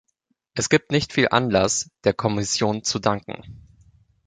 Es gibt nicht viel Anlass, der Kommission zu danken.